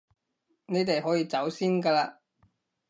你哋可以走先㗎喇